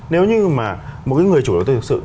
nếu như mà một cái người chủ đầu tư thực sự